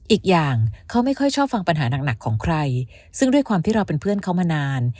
อีกอย่างเขาไม่ค่อยชอบฟังปัญหาหนักของใครซึ่งด้วยความที่เราเป็นเพื่อนเขามานาน